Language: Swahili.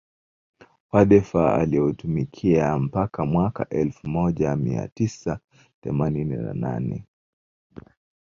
Wadhifa alioutumikia mpaka Mwaka elfu moja mia tisa themanini na nne